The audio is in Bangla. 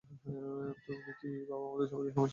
তুমি কী আমাদের সবাইকে সমস্যায় ফেলবে?